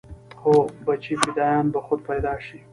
هو بچى فدايان به خود پيدا شي.